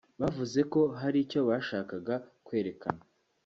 Bavuze ko hari icyo bashakaga kwerekana